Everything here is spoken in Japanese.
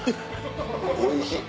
おいしい。